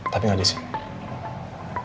tapi gak disini